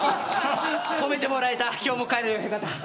褒めてもらえた今日もう帰れる。